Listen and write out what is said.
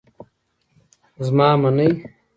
زما منی.